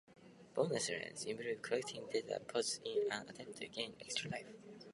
Bonus rounds involve collecting data pods in an attempt to gain an extra life.